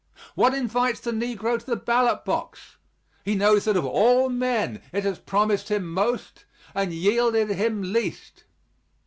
What invites the negro to the ballot box? He knows that of all men it has promised him most and yielded him least.